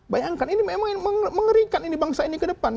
bayangkan ini memang mengerikan ini bangsa ini ke depan